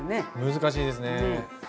難しいですね。